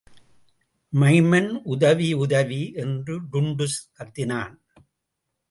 Maiman உதவி உதவி! என்று டுன்டுஷ் கத்தினான்.